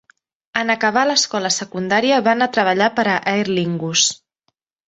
En acabar l'escola secundària, va anar a treballar per a Aer Lingus.